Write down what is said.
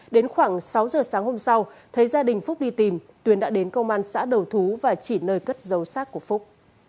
đến khoảng sáu giờ sáng hôm sau thấy gia đình phúc đi tìm tuyến đã đến công an xã đầu thú và chỉ nơi cất giấu xác của phúc